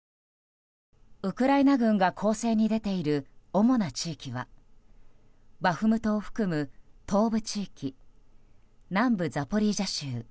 ウクライナ軍が攻勢に出ている主な地域はバフムトを含む東部地域南部ザポリージャ州